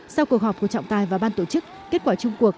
sau cuộc họp của trọng tài và ban tổ chức kết quả chung cuộc